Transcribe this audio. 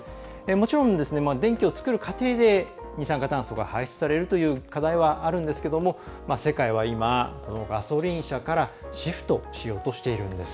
もちろん、電気を作る過程で二酸化炭素が排出されるという課題はあるんですが世界は今、ガソリン車からシフトしようとしているんです。